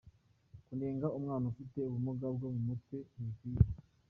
Kunena umwana ufite ubumuga bwo mu mutwe ntibikwiye!”.